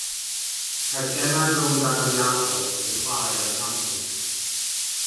Caiff gemau'r rownd agoriadol eu chwarae ar y campws.